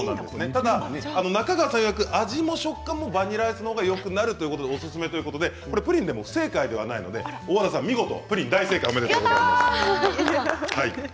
ただ中川さんいわく味も食感もバニラアイスのほうがよくなるのでおすすめだということでプリンでも不正解ではないので大和田さん、見事大正解。